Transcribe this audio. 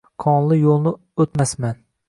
Qonli yo’lni o’tmasman.